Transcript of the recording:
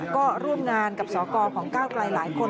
ก็ร่วมงานกับสกของก้าวไกลหลายคน